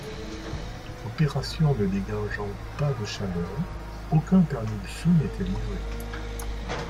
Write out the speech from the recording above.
L'opération ne dégageant pas de chaleur, aucun permis feu n'est délivré.